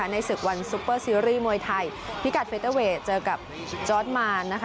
ในศึกวันซุปเปอร์ซีรีส์มวยไทยพิกัดเฟเตอร์เวทเจอกับจอร์ดมานนะคะ